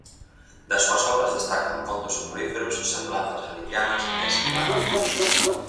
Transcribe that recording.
Das súas obras destacan "Contos soporíferos", "Semblanzas galicianas" e "Semblanzas".